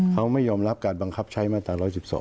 เขาไม่ยอมรับการบังคับใช้มาตรา๑๑๒